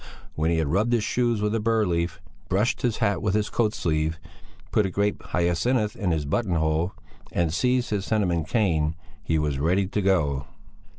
When he had rubbed his shoes with a bur leaf, brushed his hat with his coat sleeve, put a grape hyacinth in his buttonhole and seized his cinnamon cane, he was ready to go.